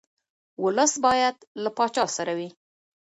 ولس باید له پاچا سره وي.